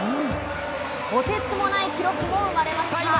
とてつもない記録も生まれました。